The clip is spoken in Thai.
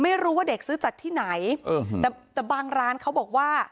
ไม่รู้ว่าเด็กซื้อจากที่ไหนแต่แต่บางร้านเขาบอกว่า